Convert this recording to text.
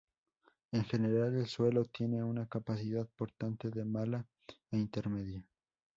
En general, el suelo tiene una capacidad portante de mala a intermedia.